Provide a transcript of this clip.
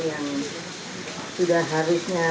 yang sudah harusnya